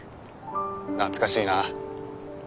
懐かしいな。